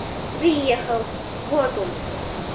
Приехал, вот он.